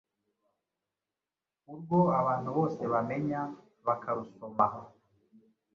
urwo abantu bose bamenya bakarusoma.